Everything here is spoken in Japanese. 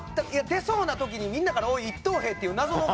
出そうな時にみんなから「おい一等兵！」っていう謎の。